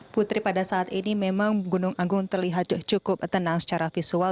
putri pada saat ini memang gunung agung terlihat cukup tenang secara visual